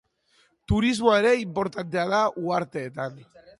Turismoa ere inportantea da uharteetan.